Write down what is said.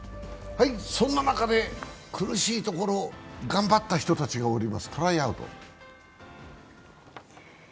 そんな中で、苦しいところ、頑張った人たちがおります。